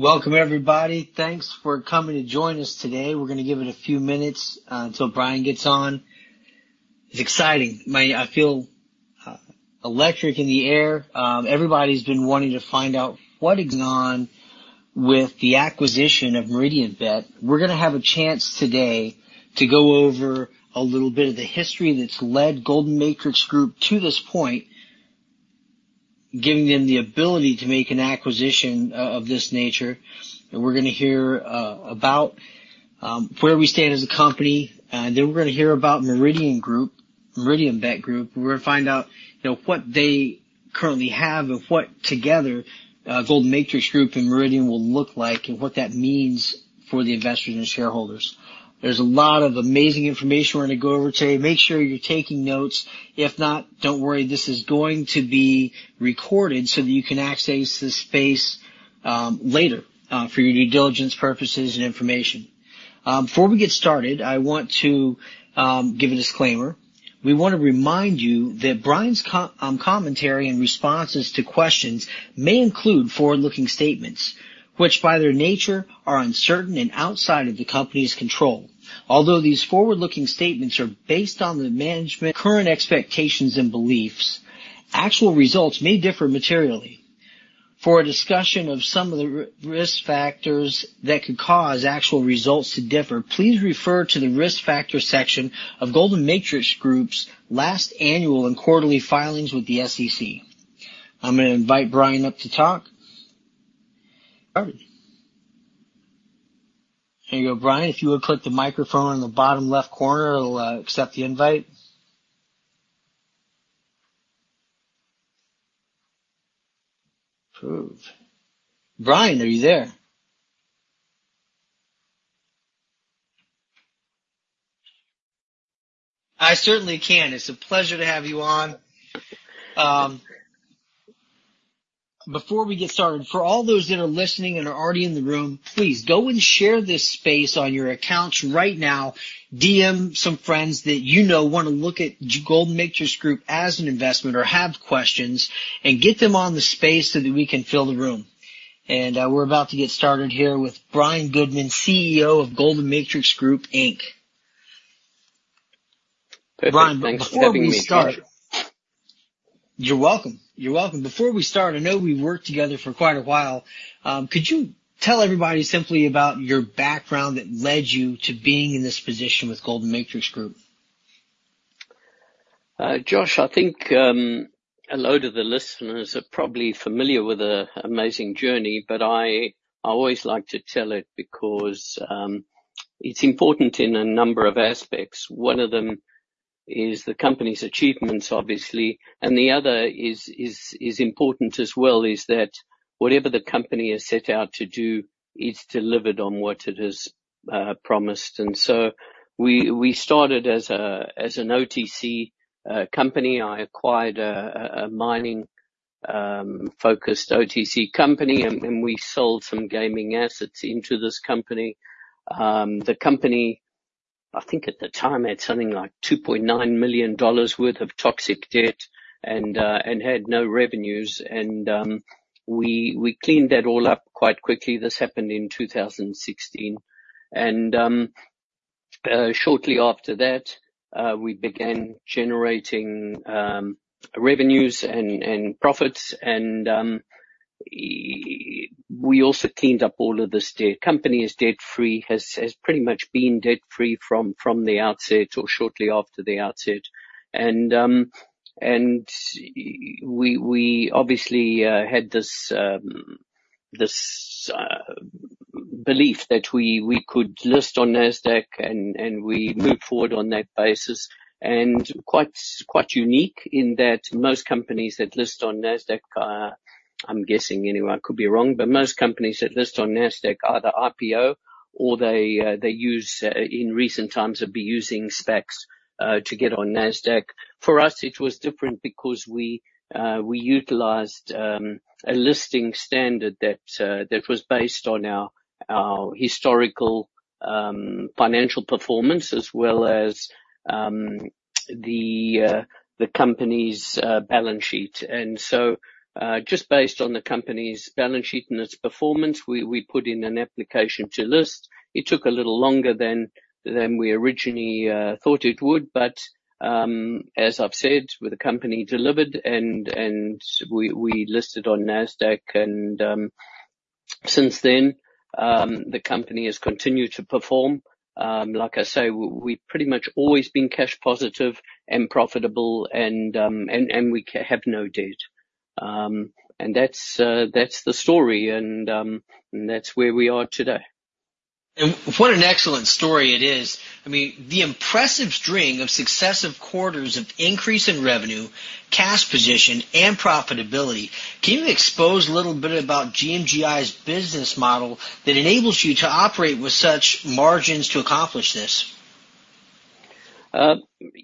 Welcome, everybody. Thanks for coming to join us today. We're going to give it a few minutes until Brian gets on. It's exciting. I feel electric in the air. Everybody's been wanting to find out what on with the acquisition of Meridianbet. We're going to have a chance today to go over a little bit of the history that's led Golden Matrix Group to this point, giving them the ability to make an acquisition of this nature. We're going to hear about where we stand as a company, and then we're going to hear about Meridianbet Group. We're going to find out what they currently have and what, together, Golden Matrix Group and Meridianbet will look like and what that means for the investors and shareholders. There's a lot of amazing information we're going to go over today. Make sure you're taking notes. If not, don't worry. This is going to be recorded so that you can access this space later for your due diligence purposes and information. Before we get started, I want to give a disclaimer. We want to remind you that Brian's commentary and responses to questions may include forward-looking statements, which by their nature are uncertain and outside of the company's control. Although these forward-looking statements are based on the management's current expectations and beliefs, actual results may differ materially. For a discussion of some of the risk factors that could cause actual results to differ, please refer to the risk factor section of Golden Matrix Group's last annual and quarterly filings with the SEC. I'm going to invite Brian up to talk. There you go. Brian, if you would click the microphone in the bottom left corner, it'll accept the invite. Approved. Brian, are you there? I certainly can. It's a pleasure to have you on. Before we get started, for all those that are listening and are already in the room, please go and share this space on your accounts right now. DM some friends that you know want to look at Golden Matrix Group as an investment or have questions, and get them on the space so that we can fill the room. And we're about to get started here with Brian Goodman, CEO of Golden Matrix Group, Inc. Brian, before we start. Thanks for having me here. You're welcome. You're welcome. Before we start, I know we've worked together for quite a while. Could you tell everybody simply about your background that led you to being in this position with Golden Matrix Group? Josh, I think a load of the listeners are probably familiar with the amazing journey, but I always like to tell it because it's important in a number of aspects. One of them is the company's achievements, obviously, and the other is important as well, is that whatever the company has set out to do, it's delivered on what it has promised. We started as an OTC company. I acquired a mining-focused OTC company, and we sold some gaming assets into this company. The company, I think at the time, had something like $2.9 million worth of toxic debt and had no revenues. We cleaned that all up quite quickly. This happened in 2016. Shortly after that, we began generating revenues and profits. We also cleaned up all of this debt. The company is debt-free, has pretty much been debt-free from the outset or shortly after the outset. We obviously had this belief that we could list on Nasdaq, and we moved forward on that basis. Quite unique in that most companies that list on Nasdaq, I'm guessing anyway, I could be wrong, but most companies that list on Nasdaq either IPO or they use, in recent times, have been using SPACs to get on Nasdaq. For us, it was different because we utilized a listing standard that was based on our historical financial performance as well as the company's balance sheet. So just based on the company's balance sheet and its performance, we put in an application to list. It took a little longer than we originally thought it would, but as I've said, with the company delivered and we listed on Nasdaq, and since then, the company has continued to perform. Like I say, we've pretty much always been cash positive and profitable, and we have no debt. That's the story, and that's where we are today. What an excellent story it is. I mean, the impressive string of successive quarters of increase in revenue, cash position, and profitability. Can you expose a little bit about GMGI's business model that enables you to operate with such margins to accomplish this?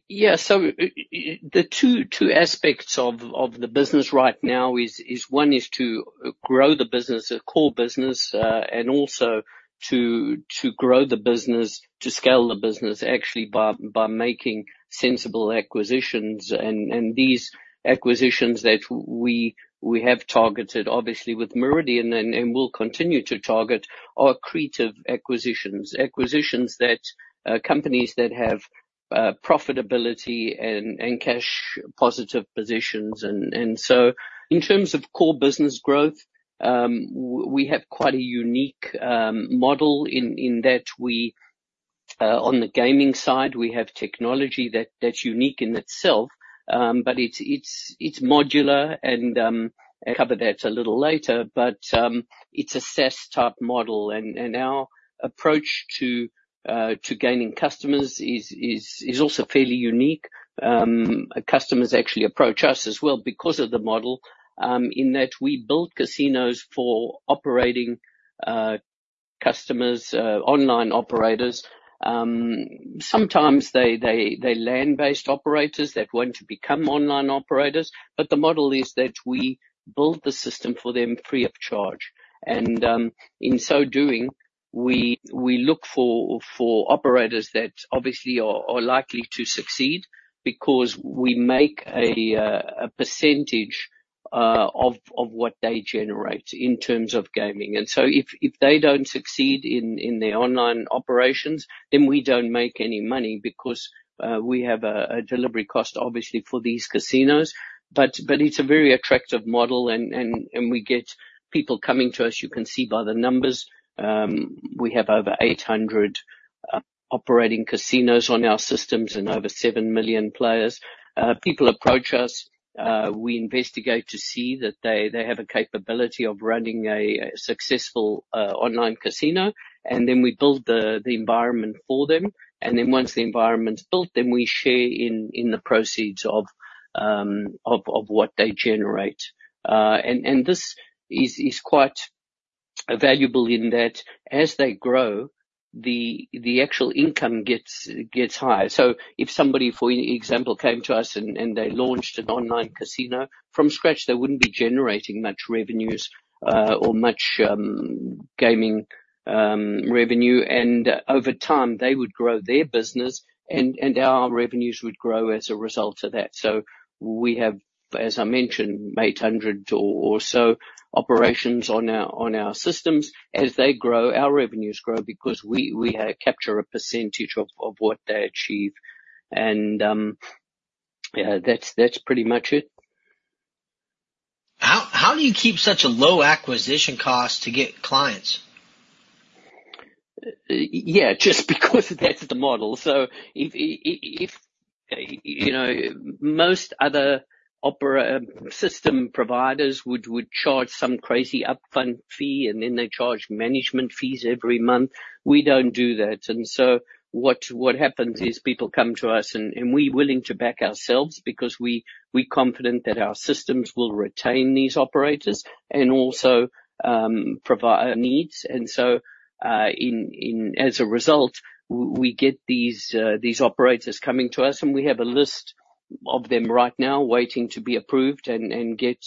Yeah. So the two aspects of the business right now is, one, is to grow the business, the core business, and also to grow the business, to scale the business, actually by making sensible acquisitions. And these acquisitions that we have targeted, obviously, with Meridian and will continue to target accretive acquisitions, acquisitions that companies that have profitability and cash positive positions. And so in terms of core business growth, we have quite a unique model in that on the gaming side, we have technology that's unique in itself, but it's modular and. I'll cover that a little later, but it's a SaaS-type model. And our approach to gaining customers is also fairly unique. Customers actually approach us as well because of the model in that we built casinos for operating customers, online operators. Sometimes they land-based operators that want to become online operators, but the model is that we build the system for them free of charge. In so doing, we look for operators that obviously are likely to succeed because we make a percentage of what they generate in terms of gaming. So if they don't succeed in their online operations, then we don't make any money because we have a delivery cost, obviously, for these casinos. It's a very attractive model, and we get people coming to us. You can see by the numbers. We have over 800 operating casinos on our systems and over seven million players. People approach us. We investigate to see that they have a capability of running a successful online casino, and then we build the environment for them. And then once the environment's built, then we share in the proceeds of what they generate. And this is quite valuable in that as they grow, the actual income gets higher. So if somebody, for example, came to us and they launched an online casino from scratch, they wouldn't be generating much revenues or much gaming revenue. And over time, they would grow their business, and our revenues would grow as a result of that. So we have, as I mentioned, 800 or so operations on our systems. As they grow, our revenues grow because we capture a percentage of what they achieve. And that's pretty much it. How do you keep such a low acquisition cost to get clients? Yeah, just because that's the model. So if most other system providers would charge some crazy upfront fee, and then they charge management fees every month, we don't do that. And so what happens is people come to us, and we're willing to back ourselves because we're confident that our systems will retain these operators and also provide needs. And so as a result, we get these operators coming to us, and we have a list of them right now waiting to be approved and get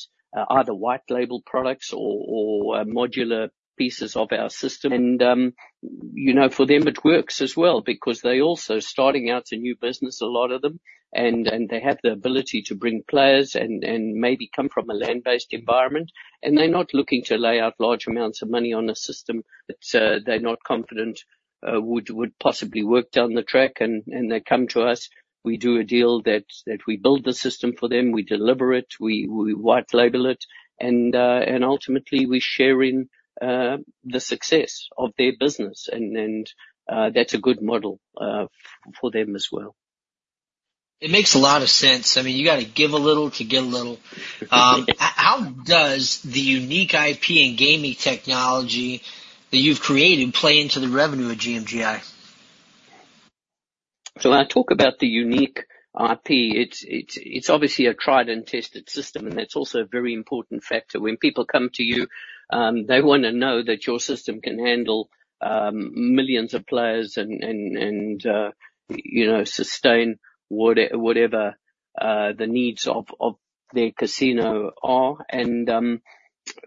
either white-label products or modular pieces of our system. And for them, it works as well because they're also starting out a new business, a lot of them, and they have the ability to bring players and maybe come from a land-based environment. They're not looking to lay out large amounts of money on a system that they're not confident would possibly work down the track. They come to us. We do a deal that we build the system for them. We deliver it. We white label it. Ultimately, we're sharing the success of their business. That's a good model for them as well. It makes a lot of sense. I mean, you got to give a little to get a little. How does the unique IP and gaming technology that you've created play into the revenue of GMGI? So when I talk about the unique IP, it's obviously a tried-and-tested system, and that's also a very important factor. When people come to you, they want to know that your system can handle millions of players and sustain whatever the needs of their casino are. And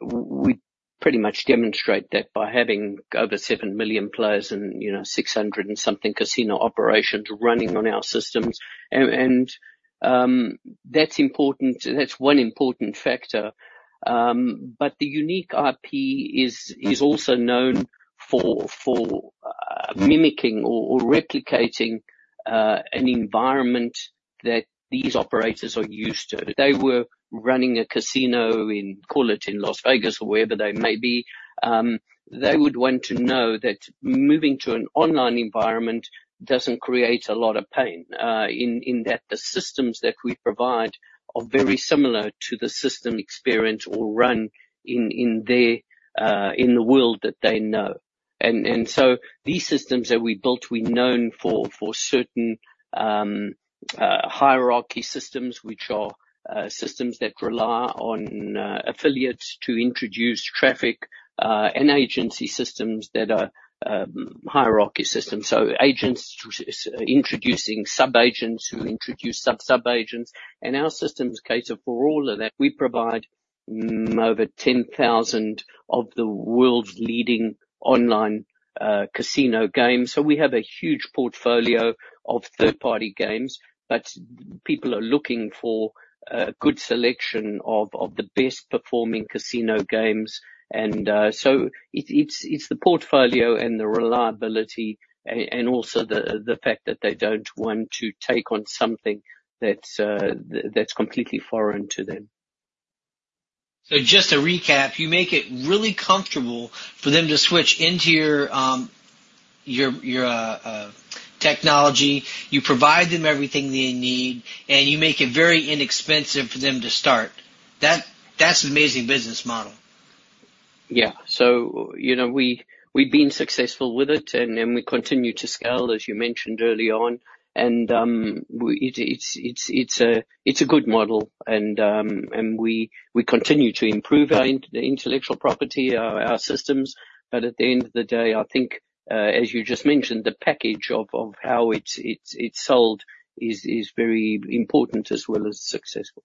we pretty much demonstrate that by having over seven million players and 600 and something casino operations running on our systems. And that's one important factor. But the unique IP is also known for mimicking or replicating an environment that these operators are used to. They were running a casino in, call it, in Las Vegas or wherever they may be, they would want to know that moving to an online environment doesn't create a lot of pain in that the systems that we provide are very similar to the system experience or run in the world that they know. And so these systems that we built, we're known for certain hierarchy systems, which are systems that rely on affiliates to introduce traffic and agency systems that are hierarchy systems. So agents introducing sub-agents who introduce sub-sub-agents. And our system's case for all of that, we provide over 10,000 of the world's leading online casino games. So we have a huge portfolio of third-party games, but people are looking for a good selection of the best-performing casino games. And so it's the portfolio and the reliability and also the fact that they don't want to take on something that's completely foreign to them. Just to recap, you make it really comfortable for them to switch into your technology. You provide them everything they need, and you make it very inexpensive for them to start. That's an amazing business model. Yeah. So we've been successful with it, and we continue to scale, as you mentioned early on. And it's a good model, and we continue to improve our intellectual property, our systems. But at the end of the day, I think, as you just mentioned, the package of how it's sold is very important as well as successful.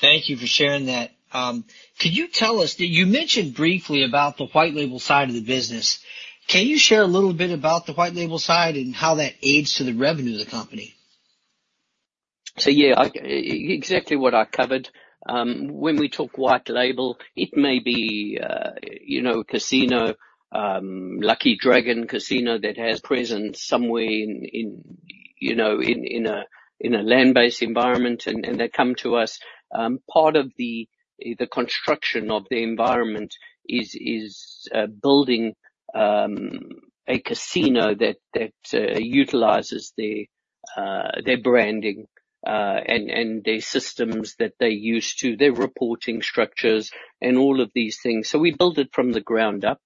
Thank you for sharing that. Could you tell us, you mentioned briefly about the white-label side of the business? Can you share a little bit about the white-label side and how that aids to the revenue of the company? So yeah, exactly what I covered. When we talk white label, it may be a casino, Lucky Dragon Casino, that has presence somewhere in a land-based environment, and they come to us. Part of the construction of the environment is building a casino that utilizes their branding and their systems that they use too, their reporting structures and all of these things. So we build it from the ground up.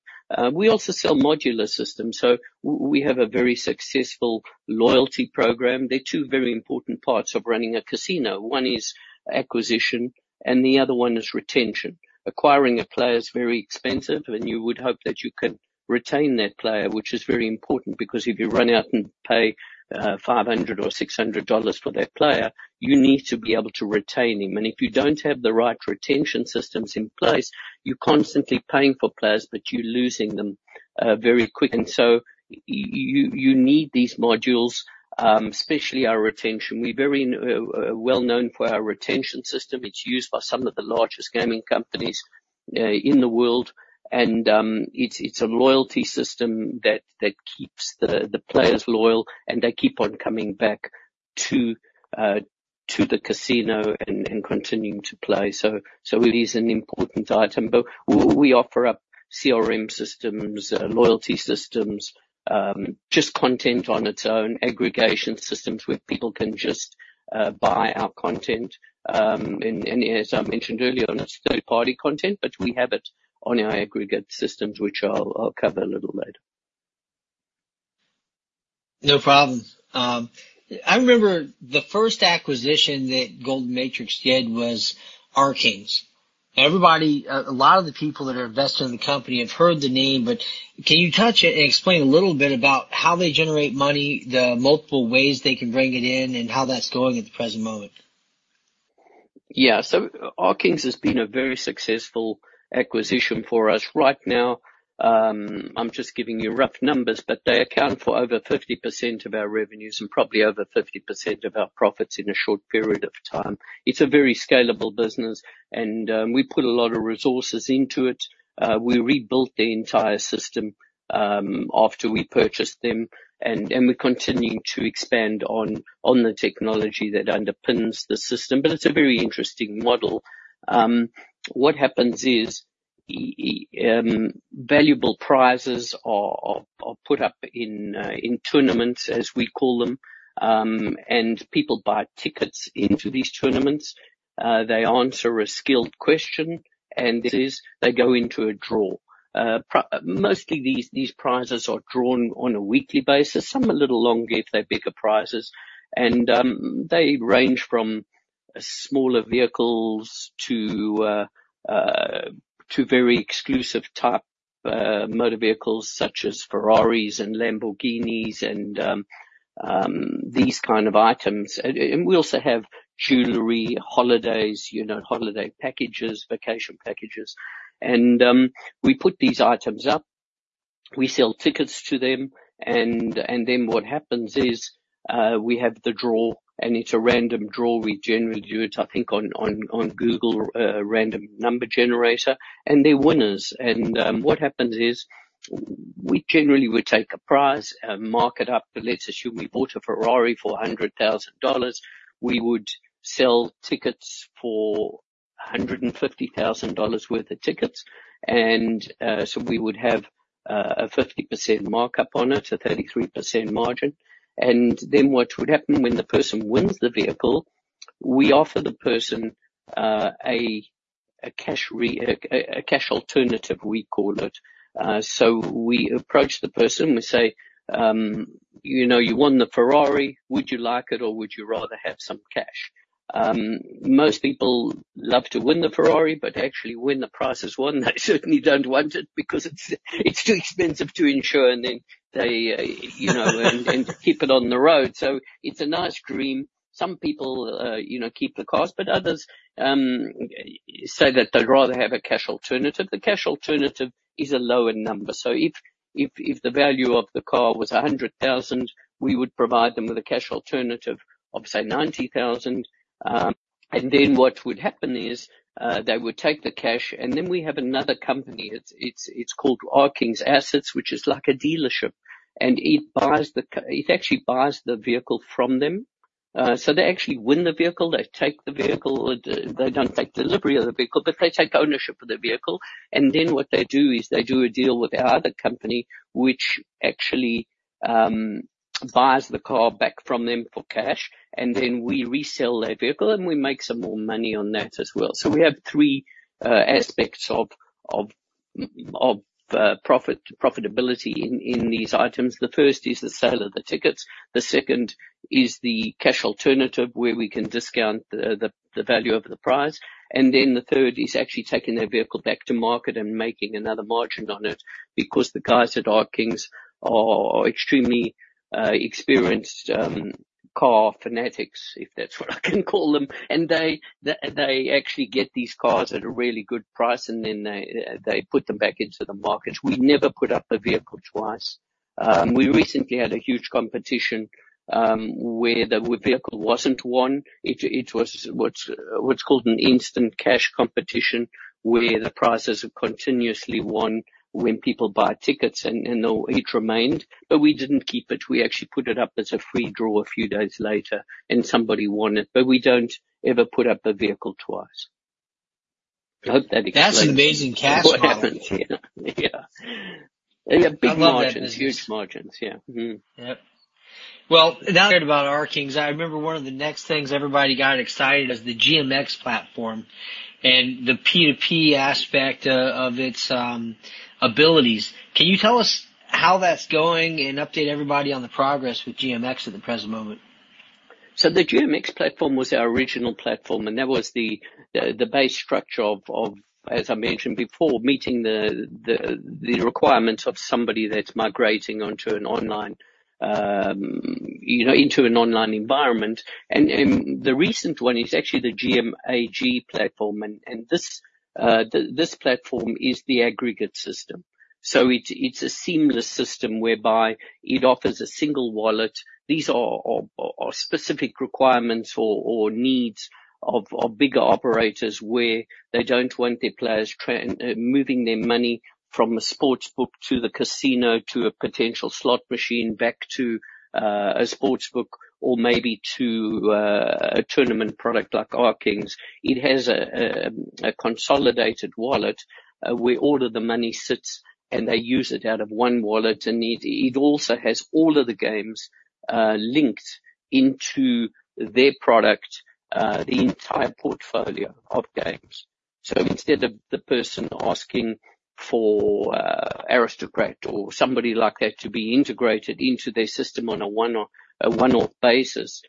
We also sell modular systems. So we have a very successful loyalty program. They're two very important parts of running a casino. One is acquisition, and the other one is retention. Acquiring a player is very expensive, and you would hope that you can retain that player, which is very important because if you run out and pay $500 or $600 for that player, you need to be able to retain him. If you don't have the right retention systems in place, you're constantly paying for players, but you're losing them very quickly. You need these modules, especially our retention. We're very well known for our retention system. It's used by some of the largest gaming companies in the world. It's a loyalty system that keeps the players loyal, and they keep on coming back to the casino and continuing to play. It is an important item. We offer up CRM systems, loyalty systems, just content on its own, aggregation systems where people can just buy our content. As I mentioned earlier, it's third-party content, but we have it on our aggregate systems, which I'll cover a little later. No problem. I remember the first acquisition that Golden Matrix did was RKings. A lot of the people that are invested in the company have heard the name, but can you touch and explain a little bit about how they generate money, the multiple ways they can bring it in, and how that's going at the present moment? Yeah. so RKings has been a very successful acquisition for us. Right now, I'm just giving you rough numbers, but they account for over 50% of our revenues and probably over 50% of our profits in a short period of time. It's a very scalable business, and we put a lot of resources into it. We rebuilt the entire system after we purchased them, and we're continuing to expand on the technology that underpins the system. But it's a very interesting model. What happens is valuable prizes are put up in tournaments, as we call them, and people buy tickets into these tournaments. They answer a skilled question, and they go into a draw. Mostly, these prizes are drawn on a weekly basis. Some are a little longer if they're bigger prizes. They range from smaller vehicles to very exclusive-type motor vehicles such as Ferraris and Lamborghinis and these kind of items. We also have jewelry, holidays, holiday packages, vacation packages. We put these items up. We sell tickets to them. Then what happens is we have the draw, and it's a random draw. We gen erally do it, I think, on Google random number generator, and they're winners. What happens is we generally would take a prize, mark it up. Let's assume we bought a Ferrari for $100,000. We would sell tickets for $150,000 worth of tickets. So we would have a 50% markup on it, a 33% margin. Then what would happen when the person wins the vehicle, we offer the person a cash alternative, we call it. We approach the person. We say, "You won the Ferrari. Would you like it, or would you rather have some cash?" Most people love to win the Ferrari, but actually, when the prize is won, they certainly don't want it because it's too expensive to insure and then keep it on the road. So it's a nice dream. Some people keep the cars, but others say that they'd rather have a cash alternative. The cash alternative is a lower number. So if the value of the car was 100,000, we would provide them with a cash alternative of, say, 90,000. And then what would happen is they would take the cash. And then we have another company. It's called RKings Assets, which is like a dealership. And it actually buys the vehicle from them. So they actually win the vehicle. They take the vehicle. They don't take delivery of the vehicle, but they take ownership of the vehicle. And then what they do is they do a deal with our other company, which actually buys the car back from them for cash. And then we resell their vehicle, and we make some more money on that as well. So we have three aspects of profitability in these items. The first is the sale of the tickets. The second is the cash alternative where we can discount the value of the price. And then the third is actually taking their vehicle back to market and making another margin on it because the guys at RKings are extremely experienced car fanatics, if that's what I can call them. And they actually get these cars at a really good price, and then they put them back into the markets. We never put up the vehicle twice. We recently had a huge competition where the vehicle wasn't won. It was what's called an instant cash competition where the prizes continuously won when people buy tickets, and it remained. But we didn't keep it. We actually put it up as a free draw a few days later, and somebody won it. But we don't ever put up the vehicle twice. I hope that explains. That's amazing cash. What happens here? Yeah. Yeah, big margins. Huge margins. Yeah. Yep. Well, now I heard about RKings. I remember one of the next things everybody got excited was the GM-X platform and the P2P aspect of its abilities. Can you tell us how that's going and update everybody on the progress with GM-X at the present moment? The GM-X platform was our original platform, and that was the base structure of, as I mentioned before, meeting the requirements of somebody that's migrating onto an online environment. The recent one is actually the GM-Ag platform. This platform is the aggregate system. It's a seamless system whereby it offers a single wallet. These are specific requirements or needs of bigger operators where they don't want their players moving their money from a sportsbook to the casino to a potential slot machine back to a sportsbook or maybe to a tournament product like RKings. It has a consolidated wallet where all of the money sits, and they use it out of one wallet. It also has all of the games linked into their product, the entire portfolio of games. So instead of the person asking for Aristocrat or somebody like that to be integrated into their system on a one-off basis,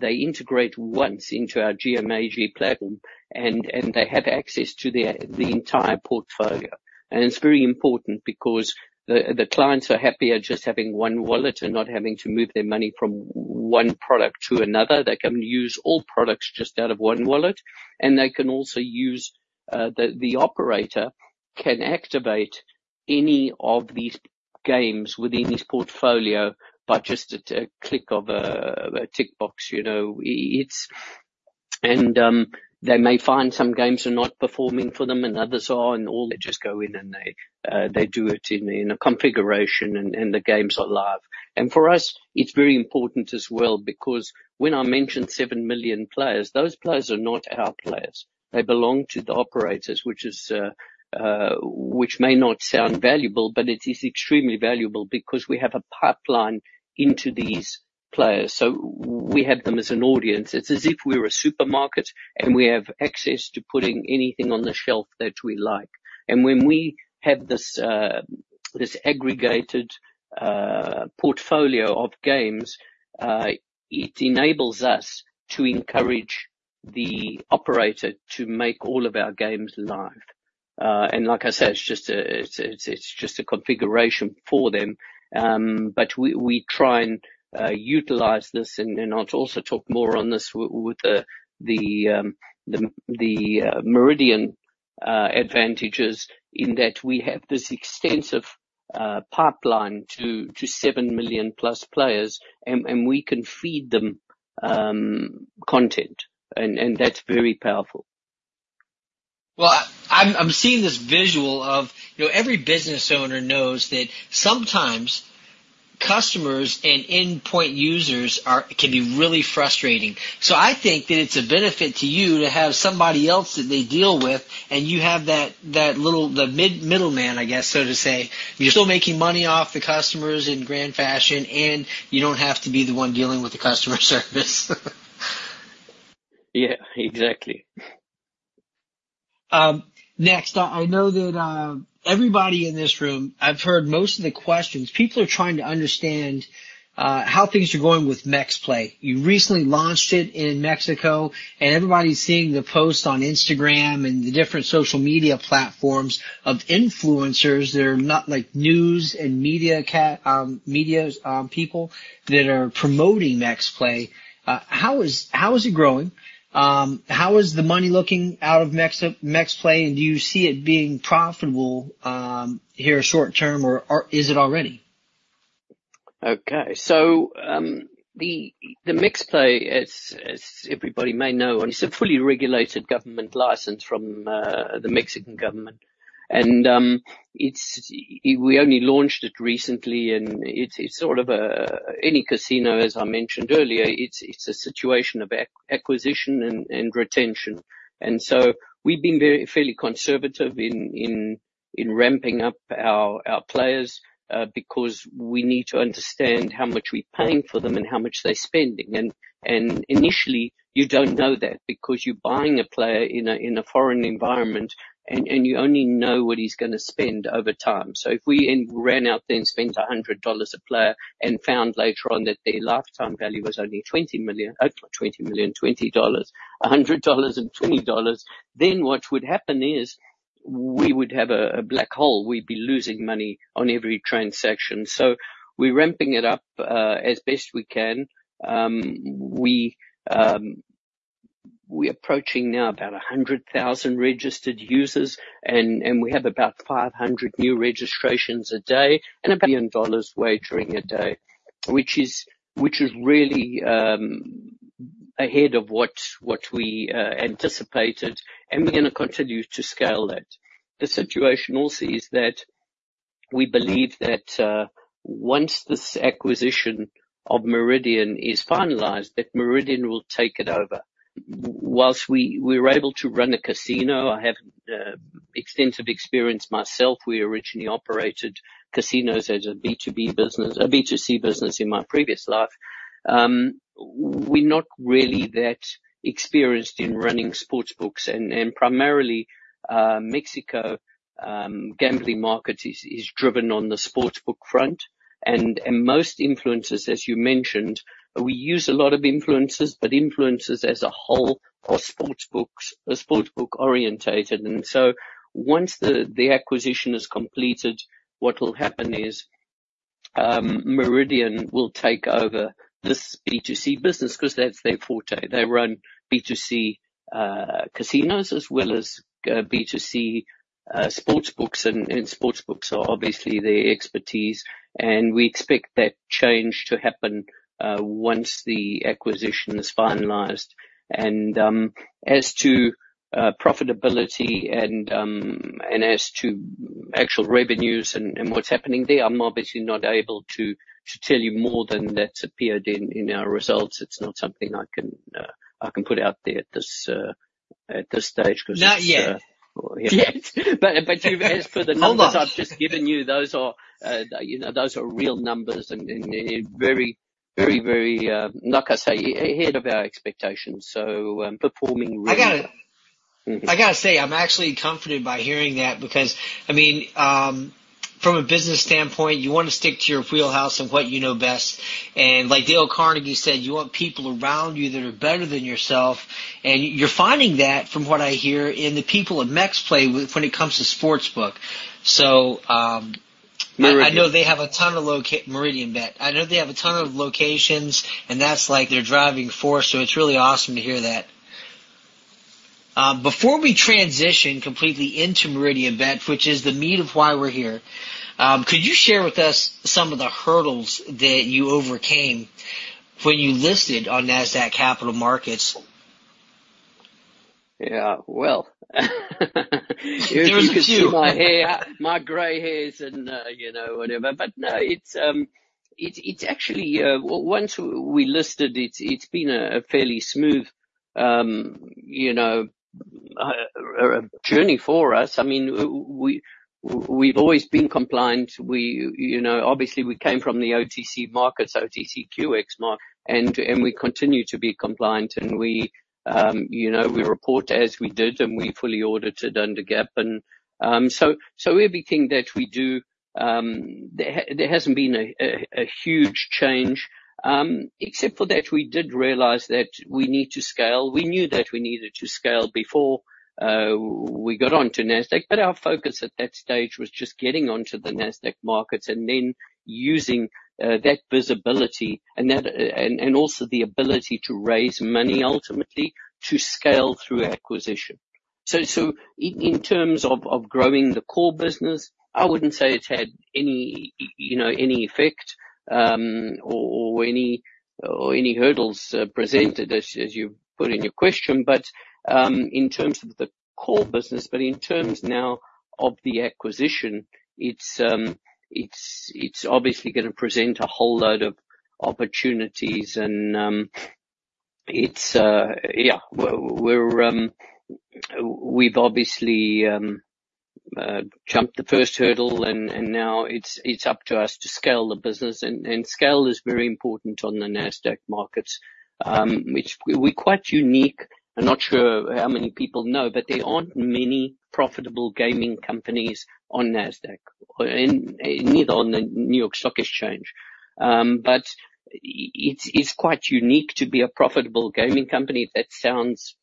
they integrate once into our GM-Ag platform, and they have access to the entire portfolio. It's very important because the clients are happier just having one wallet and not having to move their money from one product to another. They can use all products just out of one wallet, and they can also use the operator can activate any of these games within his portfolio by just a click of a tick box. They may find some games are not performing for them and others are, and all. They just go in, and they do it in a configuration, and the games are live. For us, it's very important as well because when I mentioned seven million players, those players are not our players. They belong to the operators, which may not sound valuable, but it is extremely valuable because we have a pipeline into these players. So we have them as an audience. It's as if we're a supermarket, and we have access to putting anything on the shelf that we like. And when we have this aggregated portfolio of games, it enables us to encourage the operator to make all of our games live. And like I said, it's just a configuration for them. But we try and utilize this and also talk more on this with the Meridian advantages in that we have this extensive pipeline to seven million-plus players, and we can feed them content. And that's very powerful. Well, I'm seeing this visual of every business owner knows that sometimes customers and endpoint users can be really frustrating. So I think that it's a benefit to you to have somebody else that they deal with, and you have that middleman, I guess, so to say. You're still making money off the customers in grand fashion, and you don't have to be the one dealing with the customer service. Yeah, exactly. Next, I know that everybody in this room, I've heard most of the questions. People are trying to understand how things are going with MexPlay. You recently launched it in Mexico, and everybody's seeing the posts on Instagram and the different social media platforms of influencers that are like news and media people that are promoting MexPlay. How is it growing? How is the money looking out of MexPlay, and do you see it being profitable here short term, or is it already? Okay. So the MexPlay, as everybody may know, is a fully regulated government license from the Mexican government. We only launched it recently, and it's sort of any casino, as I mentioned earlier. It's a situation of acquisition and retention. So we've been fairly conservative in ramping up our players because we need to understand how much we're paying for them and how much they're spending. And initially, you don't know that because you're buying a player in a foreign environment, and you only know what he's going to spend over time. So if we ramped up and spent $100 a player and found later on that their lifetime value was only $20, $100 and $20, then what would happen is we would have a black hole. We'd be losing money on every transaction. So we're ramping it up as best we can. We're approaching now about 100,000 registered users, and we have about 500 new registrations a day and about $1 billion wagering a day, which is really ahead of what we anticipated. We're going to continue to scale that. The situation also is that we believe that once this acquisition of Meridian is finalized, that Meridian will take it over. While we were able to run a casino, I have extensive experience myself. We originally operated casinos as a B2C business in my previous life. We're not really that experienced in running sportsbooks. Primarily, Mexico gambling market is driven on the sportsbook front. Most influencers, as you mentioned, we use a lot of influencers, but influencers as a whole are sportsbook-oriented. Once the acquisition is completed, what will happen is Meridian will take over this B2C business because that's their forte. They run B2C casinos as well as B2C sportsbooks. Sportsbooks are obviously their expertise. We expect that change to happen once the acquisition is finalized. As to profitability and as to actual revenues and what's happening there, I'm obviously not able to tell you more than that's appeared in our results. It's not something I can put out there at this stage because it's not yet. But as for the numbers I've just given you, those are real numbers and very, very, very, like I say, ahead of our expectations. Performing really. I got to say, I'm actually comforted by hearing that because, I mean, from a business standpoint, you want to stick to your wheelhouse and what you know best. And like Dale Carnegie said, you want people around you that are better than yourself. And you're finding that from what I hear in the people at MexPlay when it comes to sportsbook. So I know they have a ton of Meridianbet. I know they have a ton of locations, and that's like their driving force. So it's really awesome to hear that. Before we transition completely into Meridianbet, which is the meat of why we're here, could you share with us some of the hurdles that you overcame when you listed on Nasdaq Capital Markets? Yeah. Well, it was just my gray hairs and whatever. But no, it's actually once we listed, it's been a fairly smooth journey for us. I mean, we've always been compliant. Obviously, we came from the OTC Markets, OTCQX, and we continue to be compliant. And we report as we did, and we fully audited under GAAP. And so everything that we do, there hasn't been a huge change except for that we did realize that we need to scale. We knew that we needed to scale before we got onto Nasdaq. But our focus at that stage was just getting onto the Nasdaq markets and then using that visibility and also the ability to raise money ultimately to scale through acquisition. So in terms of growing the core business, I wouldn't say it's had any effect or any hurdles presented, as you put in your question. But in terms of the core business, but in terms now of the acquisition, it's obviously going to present a whole load of opportunities. Yeah, we've obviously jumped the first hurdle, and now it's up to us to scale the business. Scale is very important on the Nasdaq markets, which we're quite unique. I'm not sure how many people know, but there aren't many profitable gaming companies on Nasdaq, neither on the New York Stock Exchange. But it's quite unique to be a profitable gaming company. That sounds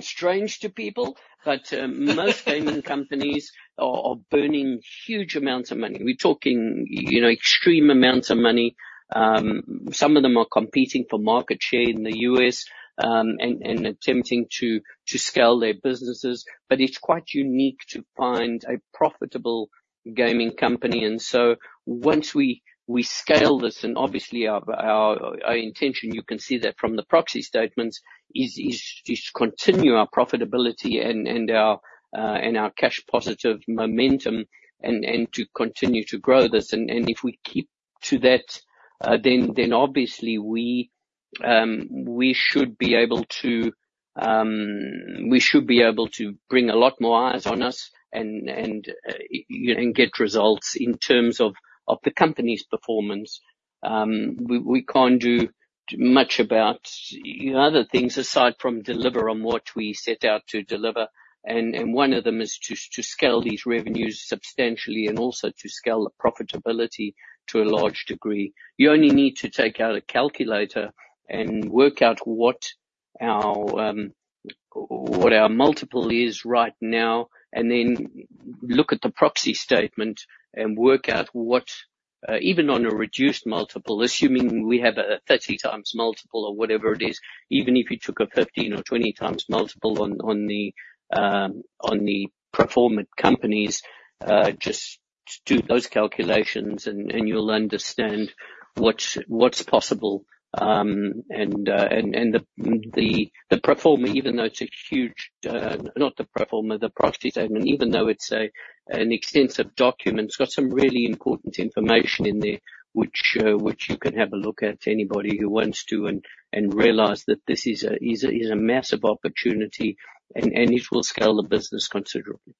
strange to people, but most gaming companies are burning huge amounts of money. We're talking extreme amounts of money. Some of them are competing for market share in the U.S. and attempting to scale their businesses. But it's quite unique to find a profitable gaming company. And so once we scale this, and obviously, our intention, you can see that from the proxy statements, is to continue our profitability and our cash positive momentum and to continue to grow this. And if we keep to that, then obviously, we should be able to we should be able to bring a lot more eyes on us and get results in terms of the company's performance. We can't do much about other things aside from deliver on what we set out to deliver. And one of them is to scale these revenues substantially and also to scale the profitability to a large degree. You only need to take out a calculator and work out what our multiple is right now and then look at the proxy statement and work out what, even on a reduced multiple, assuming we have a 30x multiple or whatever it is, even if you took a 15x or 20x multiple on the performer companies, just do those calculations, and you'll understand what's possible. And the performer, even though it's a huge not the performer, the proxy statement, even though it's an extensive document, it's got some really important information in there, which you can have a look at, anybody who wants to, and realize that this is a massive opportunity, and it will scale the business considerably.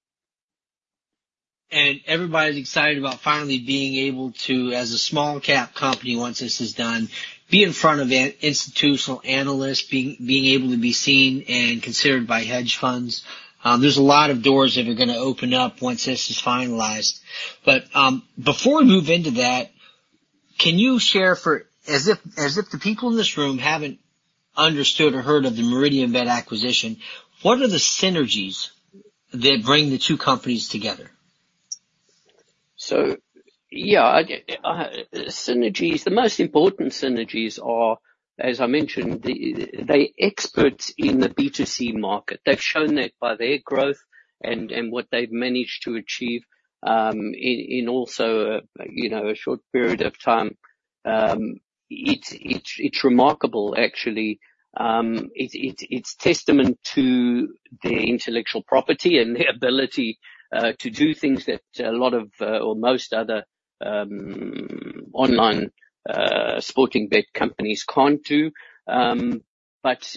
Everybody's excited about finally being able to, as a small-cap company once this is done, be in front of institutional analysts, being able to be seen and considered by hedge funds. There's a lot of doors that are going to open up once this is finalized. Before we move into that, can you share, as if the people in this room haven't understood or heard of the Meridianbet acquisition, what are the synergies that bring the two companies together? So yeah, synergies, the most important synergies are, as I mentioned, they're experts in the B2C market. They've shown that by their growth and what they've managed to achieve in also a short period of time. It's remarkable, actually. It's testament to their intellectual property and their ability to do things that a lot of or most other online sports betting companies can't do. But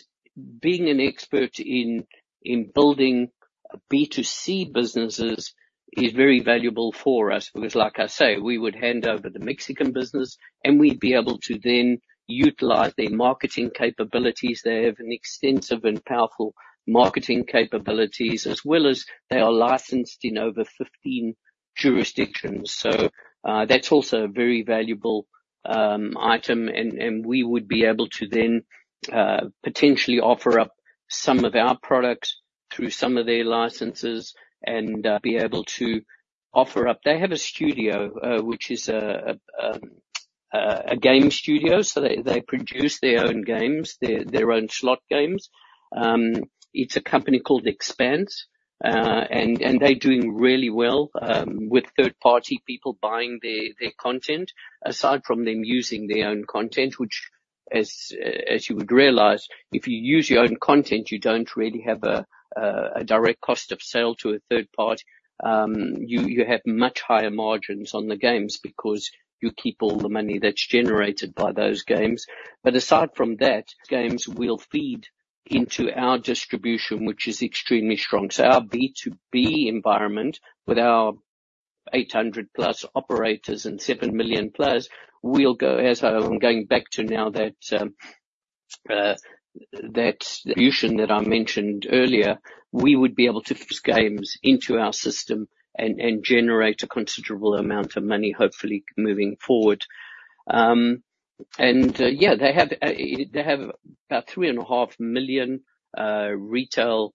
being an expert in building B2C businesses is very valuable for us because, like I say, we would hand over the Mexican business, and we'd be able to then utilize their marketing capabilities. They have extensive and powerful marketing capabilities, as well as they are licensed in over 15 jurisdictions. So that's also a very valuable item. We would be able to then potentially offer up some of our products through some of their licenses and be able to offer up. They have a studio, which is a game studio. So they produce their own games, their own slot games. It's a company called Expanse. And they're doing really well with third-party people buying their content, aside from them using their own content, which, as you would realize, if you use your own content, you don't really have a direct cost of sale to a third party. You have much higher margins on the games because you keep all the money that's generated by those games. But aside from that, games will feed into our distribution, which is extremely strong. So our B2B environment with our 800+ operators and seven million+, we'll go as I'm going back to now that distribution that I mentioned earlier, we would be able to games into our system and generate a considerable amount of money, hopefully, moving forward. And yeah, they have about 3.5 million retail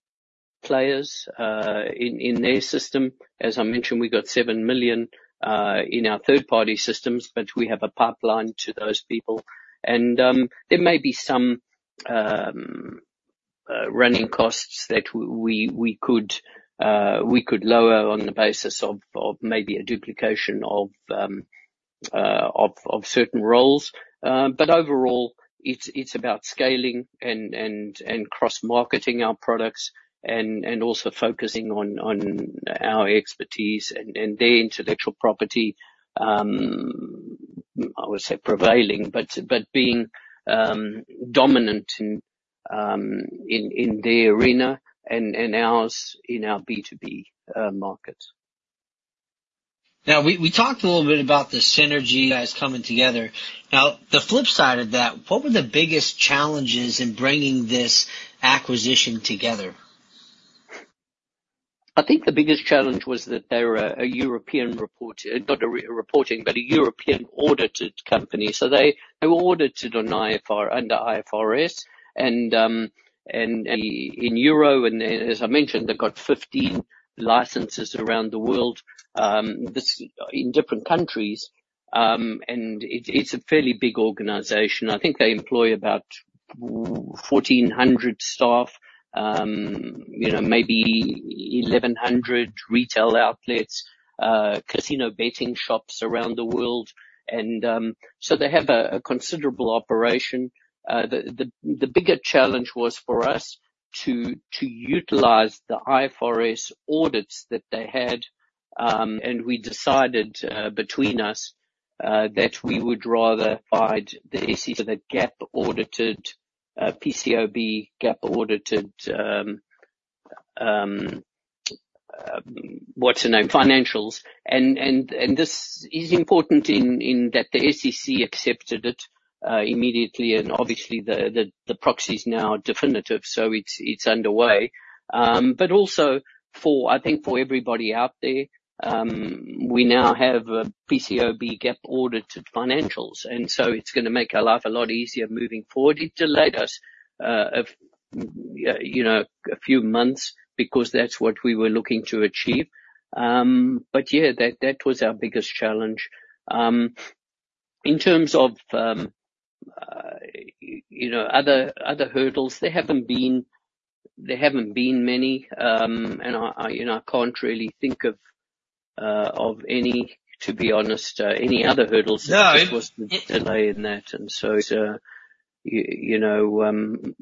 players in their system. As I mentioned, we got seven million in our third-party systems, but we have a pipeline to those people. And there may be some running costs that we could lower on the basis of maybe a duplication of certain roles. But overall, it's about scaling and cross-marketing our products and also focusing on our expertise and their intellectual property, I would say, prevailing, but being dominant in their arena and ours in our B2B markets. Now, we talked a little bit about the synergy. Guys coming together. Now, the flip side of that, what were the biggest challenges in bringing this acquisition together? I think the biggest challenge was that they were a European reported not a reporting, but a European audited company. So they were audited under IFRS. And in euro, and as I mentioned, they've got 15 licenses around the world in different countries. And it's a fairly big organization. I think they employ about 1,400 staff, maybe 1,100 retail outlets, casino betting shops around the world. And so they have a considerable operation. The bigger challenge was for us to utilize the IFRS audits that they had. And we decided between us that we would rather provide the SEC, the GAAP-audited, PCAOB-GAAP-audited, what's her name, financials. And this is important in that the SEC accepted it immediately. And obviously, the proxy is now definitive. So it's underway. But also, I think for everybody out there, we now have a PCAOB-GAAP-audited financials. And so it's going to make our life a lot easier moving forward. It delayed us a few months because that's what we were looking to achieve. But yeah, that was our biggest challenge. In terms of other hurdles, there haven't been many. And I can't really think of any, to be honest, any other hurdles that just was the delay in that. And so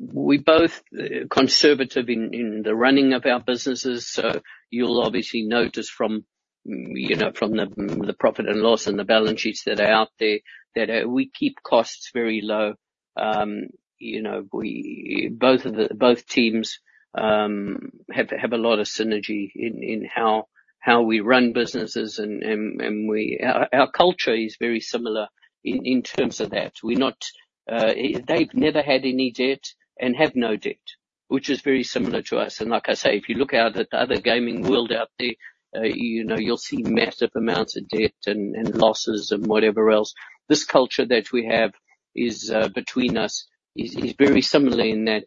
we're both conservative in the running of our businesses. So you'll obviously notice from the profit and loss and the balance sheets that are out there that we keep costs very low. Both teams have a lot of synergy in how we run businesses. And our culture is very similar in terms of that. They've never had any debt and have no debt, which is very similar to us. Like I say, if you look out at the other gaming world out there, you'll see massive amounts of debt and losses and whatever else. This culture that we have between us is very similar in that.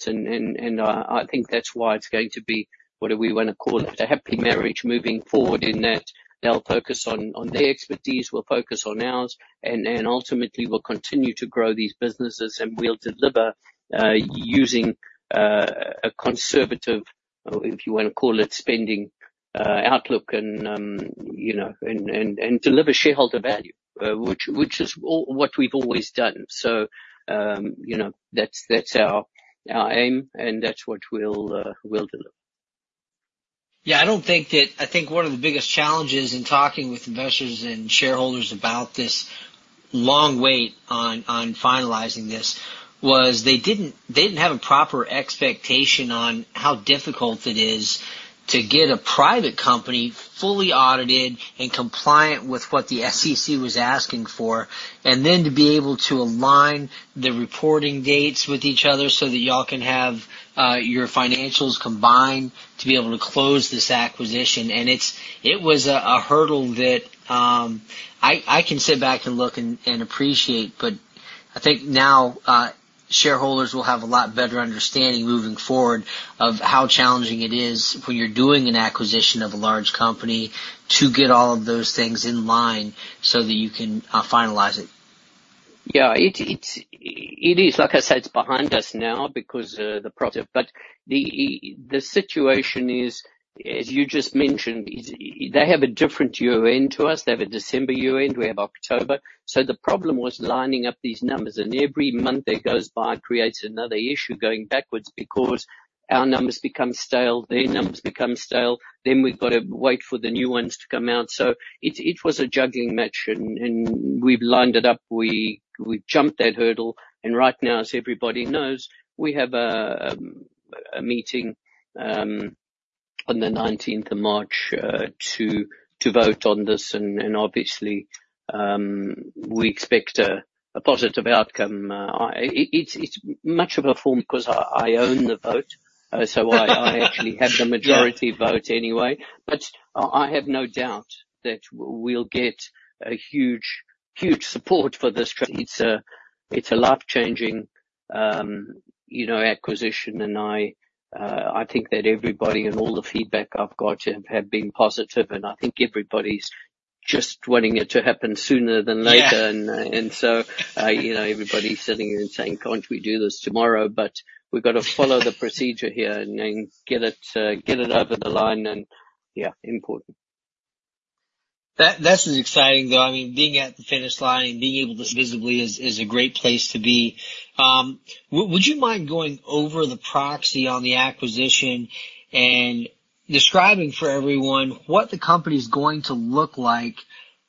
I think that's why it's going to be what do we want to call it? A happy marriage moving forward in that they'll focus on their expertise, we'll focus on ours, and ultimately, we'll continue to grow these businesses, and we'll deliver using a conservative, if you want to call it, spending outlook and deliver shareholder value, which is what we've always done. That's our aim, and that's what we'll deliver. Yeah. I don't think one of the biggest challenges in talking with investors and shareholders about this long wait on finalizing this was they didn't have a proper expectation on how difficult it is to get a private company fully audited and compliant with what the SEC was asking for, and then to be able to align the reporting dates with each other so that y'all can have your financials combined to be able to close this acquisition. And it was a hurdle that I can sit back and look and appreciate. But I think now shareholders will have a lot better understanding moving forward of how challenging it is when you're doing an acquisition of a large company to get all of those things in line so that you can finalize it. Yeah. It is. Like I said, it's behind us now because. But the situation is, as you just mentioned, they have a different year-end to us. They have a December year-end. We have October. So the problem was lining up these numbers. And every month that goes by creates another issue going backwards because our numbers become stale, their numbers become stale. Then we've got to wait for the new ones to come out. So it was a juggling match. And we've lined it up. We've jumped that hurdle. And right now, as everybody knows, we have a meeting on the 19th of March to vote on this. And obviously, we expect a positive outcome. It's much of a form because I own the vote. So I actually have the majority vote anyway. But I have no doubt that we'll get a huge support for this. It's a life-changing acquisition. I think that everybody and all the feedback I've got have been positive. I think everybody's just wanting it to happen sooner than later. So everybody's sitting here and saying, "Can't we do this tomorrow?" But we've got to follow the procedure here and get it over the line. Yeah, important. That's exciting, though. I mean, being at the finish line and being able visibly is a great place to be. Would you mind going over the proxy on the acquisition and describing for everyone what the company's going to look like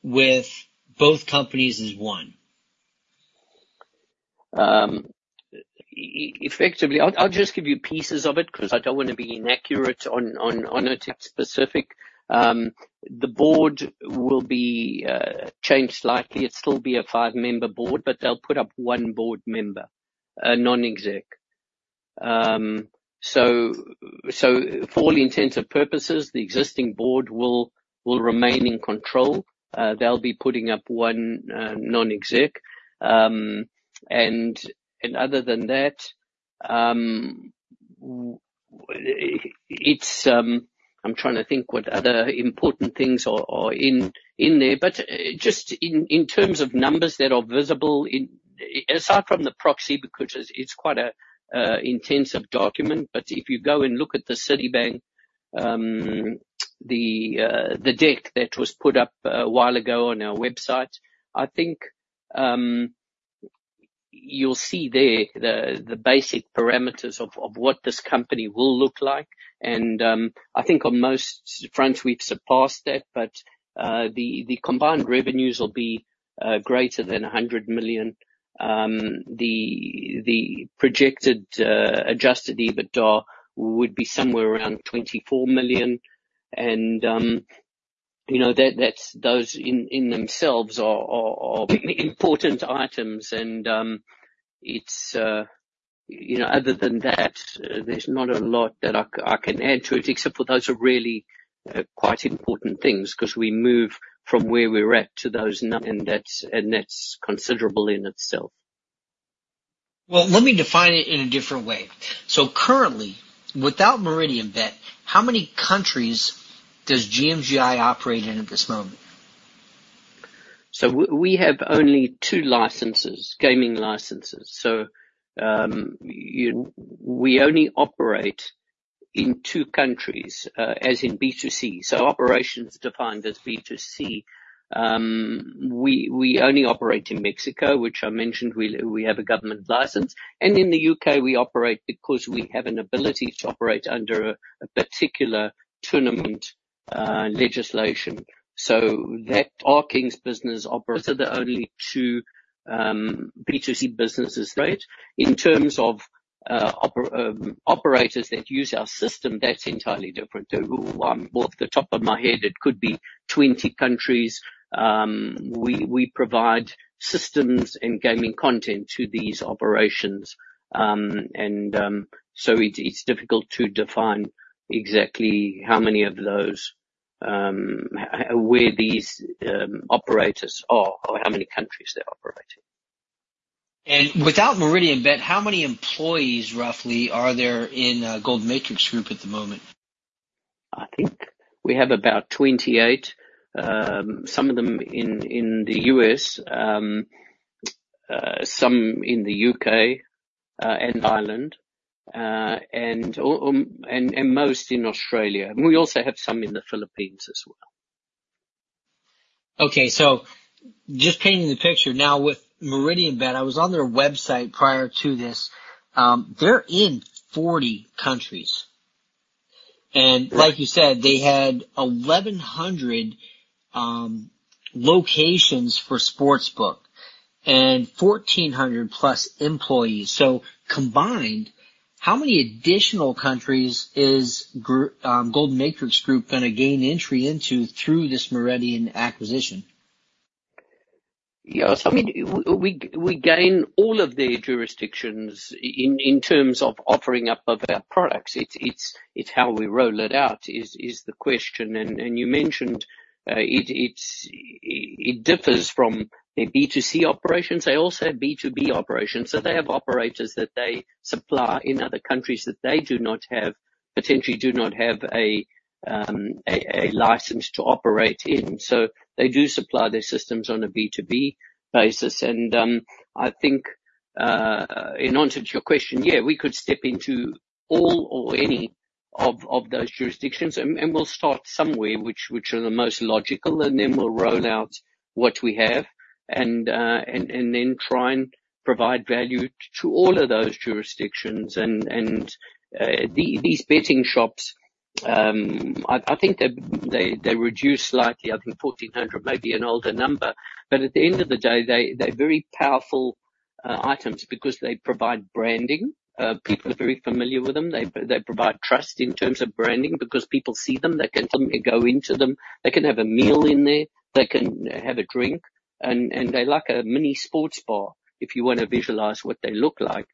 with both companies as one? Effectively, I'll just give you pieces of it because I don't want to be inaccurate on that specific. The board will be changed slightly. It'll still be a five-member board, but they'll put up one board member, a non-exec. So for all intents and purposes, the existing board will remain in control. They'll be putting up one non-exec. And other than that, I'm trying to think what other important things are in there. But just in terms of numbers that are visible, aside from the proxy, because it's quite an intensive document, but if you go and look at the Citibank, the deck that was put up a while ago on our website, I think you'll see there the basic parameters of what this company will look like. And I think on most fronts, we've surpassed that. But the combined revenues will be greater than $100 million. The projected adjusted EBITDA would be somewhere around $24 million. Those in themselves are important items. Other than that, there's not a lot that I can add to it except for those are really quite important things because we move from where we're at to those. That's considerable in itself. Well, let me define it in a different way. Currently, without Meridianbet, how many countries does GMGI operate in at this moment? So we have only two licenses, gaming licenses. So we only operate in two countries as in B2C. So operations defined as B2C, we only operate in Mexico, which I mentioned we have a government license. And in the U.K., we operate because we have an ability to operate under a particular tournament legislation. So our RKings business operates are the only two B2C businesses. Right? In terms of operators that use our system, that's entirely different. Off the top of my head, it could be 20 countries. We provide systems and gaming content to these operations. And so it's difficult to define exactly how many of those, where these operators are, or how many countries they're operating. Without Meridianbet, how many employees, roughly, are there in Golden Matrix Group at the moment? I think we have about 28, some of them in the U.S., some in the U.K. and Ireland, and most in Australia. We also have some in the Philippines as well. Okay. So just painting the picture now, with Meridianbet, I was on their website prior to this. They're in 40 countries. And like you said, they had 1,100 locations for sportsbook and 1,400-plus employees. So combined, how many additional countries is Golden Matrix Group going to gain entry into through this Meridianbet acquisition? Yeah. So I mean, we gain all of their jurisdictions in terms of offering up of our products. It's how we roll it out is the question. And you mentioned it differs from their B2C operations. They also have B2B operations. So they have operators that they supply in other countries that they potentially do not have a license to operate in. So they do supply their systems on a B2B basis. And I think in answer to your question, yeah, we could step into all or any of those jurisdictions. And we'll start somewhere, which are the most logical, and then we'll roll out what we have and then try and provide value to all of those jurisdictions. And these betting shops, I think they reduce slightly, I think 1,400, maybe an older number. But at the end of the day, they're very powerful items because they provide branding. People are very familiar with them. They provide trust in terms of branding because people see them. They can tell them they go into them. They can have a meal in there. They can have a drink. And they're like a mini sports bar if you want to visualize what they look like.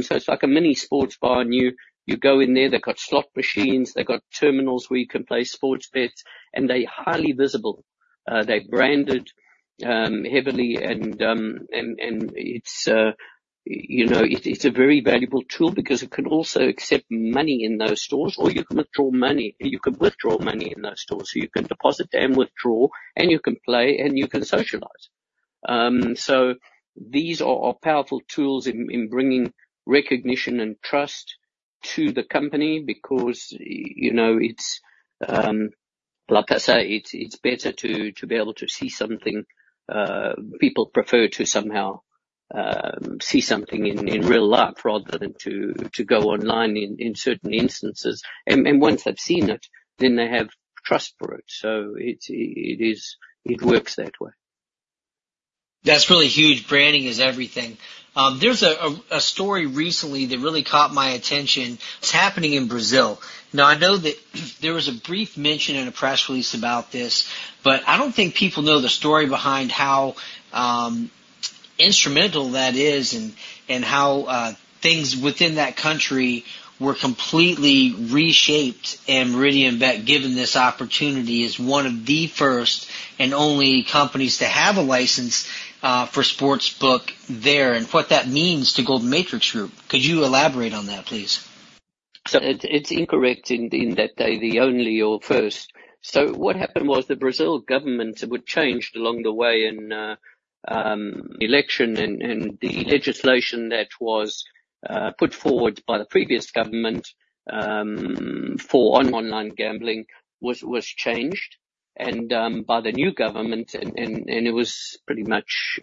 So it's like a mini sports bar. And you go in there. They've got slot machines. They've got terminals where you can place sports bets. And they're highly visible. They're branded heavily. And it's a very valuable tool because it can also accept money in those stores. Or you can withdraw money. You can withdraw money in those stores. So you can deposit and withdraw, and you can play, and you can socialize. So these are powerful tools in bringing recognition and trust to the company because it's, like I say, it's better to be able to see something people prefer to somehow see something in real life rather than to go online in certain instances. Once they've seen it, then they have trust for it. It works that way. That's really huge. Branding is everything. There's a story recently that really caught my attention. It's happening in Brazil. Now, I know that there was a brief mention in a press release about this, but I don't think people know the story behind how instrumental that is and how things within that country were completely reshaped. Meridianbet, given this opportunity, is one of the first and only companies to have a license for sportsbook there and what that means to Golden Matrix Group. Could you elaborate on that, please? So it's incorrect in that they're the only or first. So what happened was the Brazil government changed along the way in the election. And the legislation that was put forward by the previous government on online gambling was changed by the new government. And it was pretty much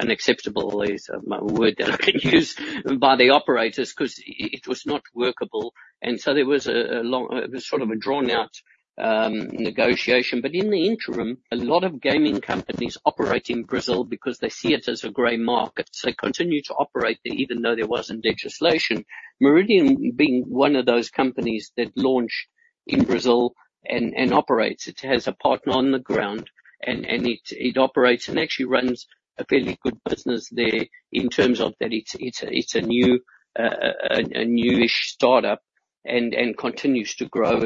unacceptable, is my word that I can use, by the operators because it was not workable. And so there was sort of a drawn-out negotiation. But in the interim, a lot of gaming companies operate in Brazil because they see it as a gray market. So they continue to operate there even though there wasn't legislation. Meridian being one of those companies that launched in Brazil and operates, it has a partner on the ground. And it operates and actually runs a fairly good business there in terms of that it's a newish startup and continues to grow.